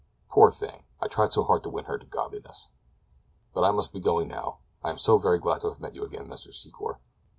Poor thing! I tried so hard to win her to godliness. "But I must be going, now. I am so very glad to have met you again, Mr. Secor.